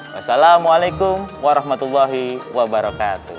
wassalamualaikum warahmatullahi wabarakatuh